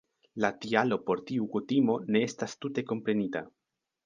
La tialo por tiu kutimo ne estas tute komprenita.